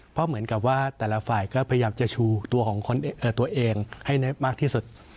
เพราะเหมือนกับว่าแต่ละฝ่ายก็พยายามจะชูตัวของตัวเองให้มากที่สุด